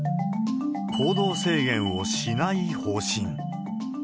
行動制限をしない方針。